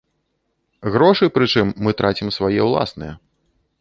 Грошы, прычым, мы трацім свае ўласныя.